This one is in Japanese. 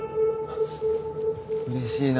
うれしいな。